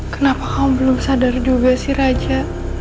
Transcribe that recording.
kenapa kau belum sadar juga si raja